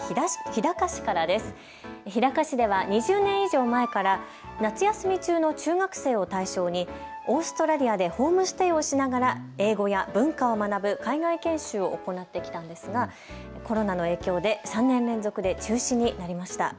日高市では２０年以上前から夏休み中の中学生を対象にオーストラリアでホームステイをしながら英語や文化を学ぶ海外研修を行ってきたんですがコロナの影響で３年連続で中止になりました。